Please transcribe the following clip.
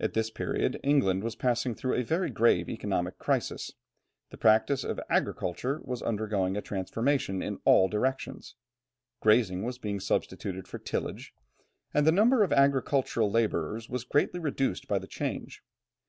At this period England was passing through a very grave economic crisis. The practice of agriculture was undergoing a transformation; in all directions grazing was being substituted for tillage, and the number of agricultural labourers was greatly reduced by the change.